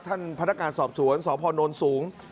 ท่านพันธการสอบสวนสพนสูง